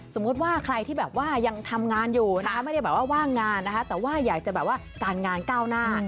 สมมุติว่าใครที่แบบว่ายังทำงานอยู่นะคะไม่ได้แบบว่าว่างงานนะคะแต่ว่าอยากจะแบบว่าการงานก้าวหน้า